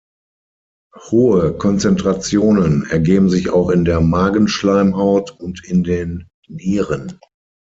Hohe Konzentrationen ergeben sich auch in der Magenschleimhaut und in den Nieren.